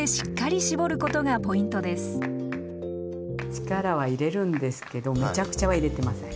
力は入れるんですけどめちゃくちゃは入れてません。